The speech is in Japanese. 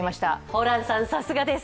ホランさん、さすがです。